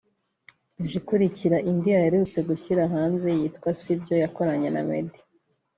ije ikurikira indi aherutse gushyira hanze yitwa Sibyo yakoranye na Meddy